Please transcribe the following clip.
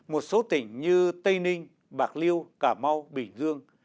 một số tỉnh như tây ninh bạc liêu cà mau bình dương